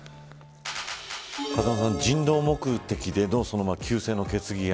風間さん、人道目的で休戦の決議案。